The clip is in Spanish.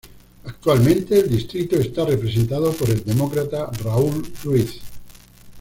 Actualmente el distrito está representado por el Demócrata Raul Ruiz.